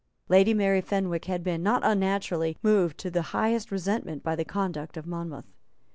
Lady Mary Fenwick had been, not unnaturally, moved to the highest resentment by the conduct of Monmouth.